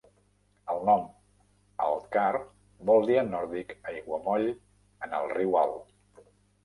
El nom Altcar vol dir en nòrdic "aiguamoll en el riu Alt".